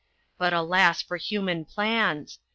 But alas for human plans!